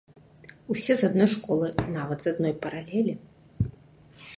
Усе з адной школы, нават з адной паралелі.